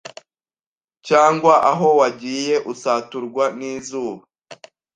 cyangwa aho wagiye usaturwa n’izuba